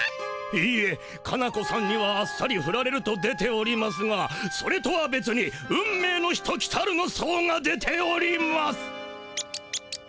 いいえカナ子さんにはあっさりフラれると出ておりますがそれとは別に「運命の人きたる」の相が出ております。